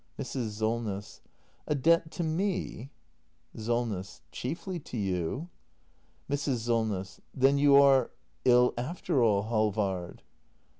Mrs. Solness. A debt to me ? Solness. Chiefly to you. Mrs. Solness. Then you are — ill after all, Halvard.